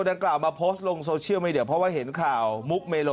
ดังกล่าวมาโพสต์ลงโซเชียลมีเดียเพราะว่าเห็นข่าวมุกเมโล